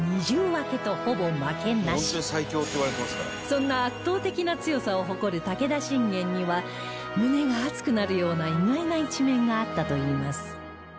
そんな圧倒的な強さを誇る武田信玄には胸が熱くなるような意外な一面があったといいます